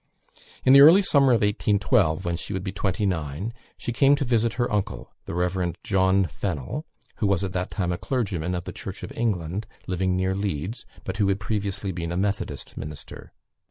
In the early summer of 1812, when she would be twenty nine, she came to visit her uncle, the Reverend John Fennel, who was at that time a clergyman of the Church of England, living near Leeds, but who had previously been a Methodist minister.